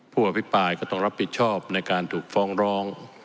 ผู้อภิปรายก็ต้องรับผิดชอบในการถูกฟ้องร้อง